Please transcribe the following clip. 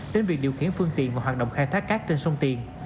đến việc điều khiển phương tiện và hoạt động khai thác cát trên sông tiền